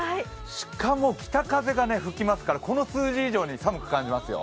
しかも北風が吹きますから、この数字以上に寒く感じますよ。